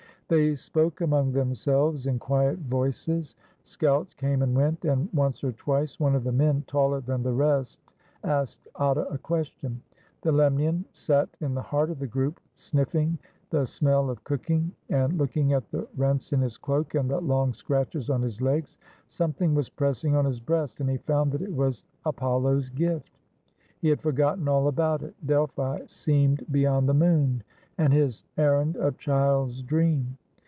They spoke among themselves in quiet voices. Scouts came and went, and once or twice one of the men, taller than the rest, asked Atta a question. The Lemnian sat in the heart of the group, sniffing the smell of cooking, and looking at the rents in his cloak and the long scratches on his legs. Something was pressing on his breast, and he found that it was Apollo's gift. He had forgotten all about it. Delphi seemed beyond the moon, and his er rand a child's dream.